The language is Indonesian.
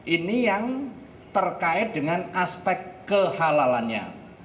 ini yang terkait dengan aspek kehalalannya